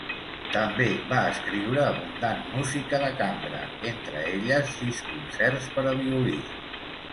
També va escriure abundant música de cambra, entre elles sis concerts per a violí.